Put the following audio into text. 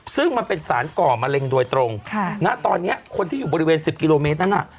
ซึ่งมันเป็นสารก่อมะเร็งโดยตรงตอนนี้คนที่อยู่บริเวณสิบกิโลเมตรนั้นน่ะ